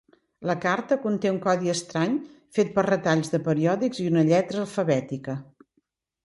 La carta conté un codi estrany fet per retalls de periòdics i una lletra alfabètica.